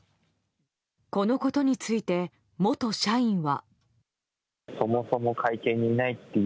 このことについて元社員は。